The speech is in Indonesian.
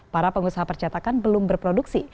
para pengusaha percetakan belum berproduksi